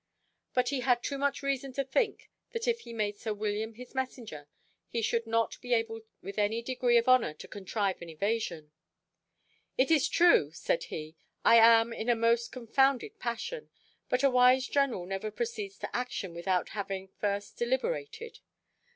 But he had too much reason to think, that if he made sir William his messenger, he should not be able with any degree of honour to contrive an evasion. "It is true," said he, "I am in a most confounded passion, but a wise general never proceeds to action without having first deliberated.